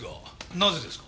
なぜですか？